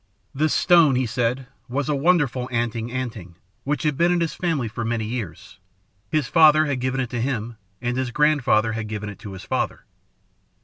"This stone, he said, was a wonderful 'anting anting' which had been in his family for many years. His father had given it to him, and his grandfather had given it to his father.